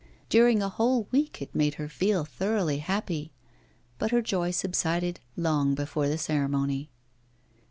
During a whole week it made her feel thoroughly happy. But her joy subsided long before the ceremony.